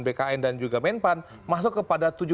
bkn dan juga menpan masuk kepada